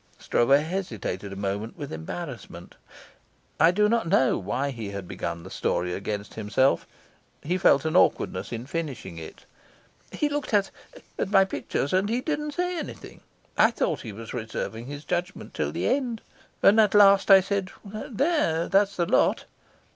Stroeve hesitated a moment with embarrassment. I do not know why he had begun the story against himself; he felt an awkwardness at finishing it. "He looked at at my pictures, and he didn't say anything. I thought he was reserving his judgment till the end. And at last I said: 'There, that's the lot!'